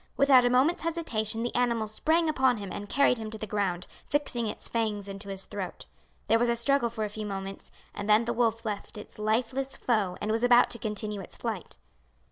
Without a moment's hesitation the animal sprang upon him and carried him to the ground, fixing its fangs into his throat. There was a struggle for a few moments, and then the wolf left its lifeless foe and was about to continue its flight.